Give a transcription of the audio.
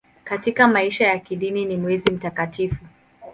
Katika maisha ya kidini ni mwezi mtakatifu.